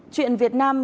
chuyện việt nam